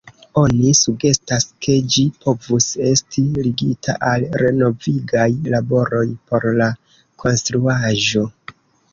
Oni sugestas, ke ĝi povus esti ligita al renovigaj laboroj por la konstruaĵo.